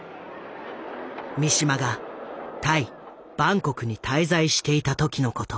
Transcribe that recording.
三島がタイバンコクに滞在していた時のこと。